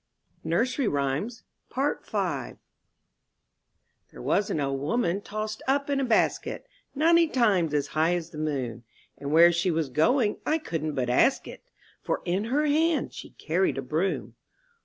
30 IN THE NURSERY T^HERE was an old woman tossed up in a basket, ■■ Ninety times as high as the moon, And where she was going, I couldn't but ask it. For in her hand she carried a broom.